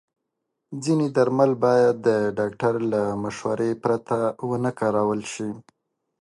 ځینې درمل باید د ډاکټر له مشورې پرته ونه کارول شي.